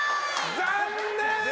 残念！